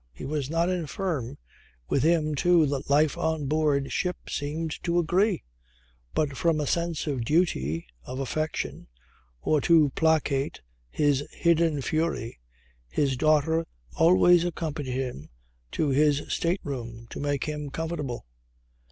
He was not infirm. With him too the life on board ship seemed to agree; but from a sense of duty, of affection, or to placate his hidden fury, his daughter always accompanied him to his state room "to make him comfortable."